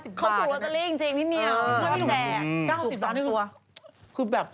พี่เอาตังค์มาให้น้องคนละ๕๐บาท